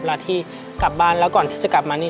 เวลาที่กลับบ้านแล้วก่อนที่จะกลับมานี่